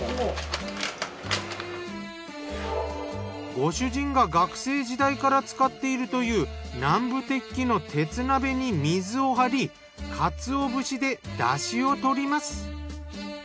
ご主人が学生時代から使っているという南部鉄器の鉄鍋に水をはりカツオ節でだしをとります。